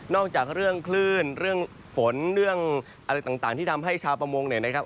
จากเรื่องคลื่นเรื่องฝนเรื่องอะไรต่างที่ทำให้ชาวประมงเนี่ยนะครับ